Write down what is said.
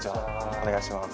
お願いします。